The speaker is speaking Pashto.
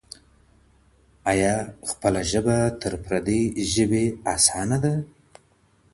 آیا خپله ژبه تر پردۍ ژبي اسانه ده؟